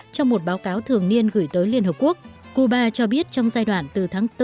trong một báo cáo thường niên gửi tới liên hợp quốc cuba cho biết trong giai đoạn từ tháng bốn